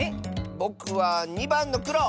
ぼくは２ばんのくろ！